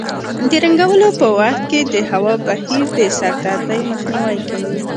د رنګولو په وخت کې د هوا بهیر د سردردۍ مخنیوی کوي.